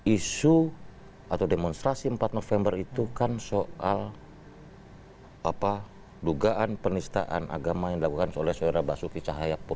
isu atau demonstrasi empat november itu kan soal dugaan penistaan agama yang dilakukan oleh saudara basuki cahayapurna